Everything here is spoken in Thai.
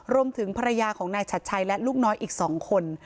รวมถึงภรรยาของนายชัดชัยและลูกน้อยอีก๒คน